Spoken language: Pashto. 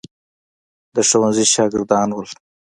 د ښوونځي شاګردان ول.